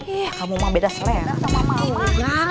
ih kamu mah beda selera sama mama